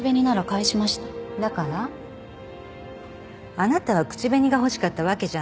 あなたは口紅が欲しかったわけじゃない。